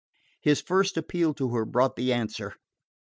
His first appeal to her brought the answer.